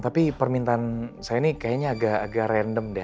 tapi permintaan saya ini kayaknya agak agak random deh